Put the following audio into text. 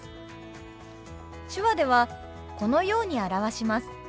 手話ではこのように表します。